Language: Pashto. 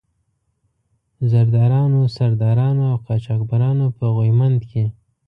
زردارانو، سردارانو او قاچاق برانو په غويمند کې.